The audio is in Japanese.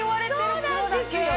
そうなんですよ！